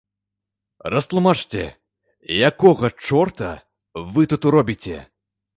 Растлумачце, якога чорта вы тут робіце.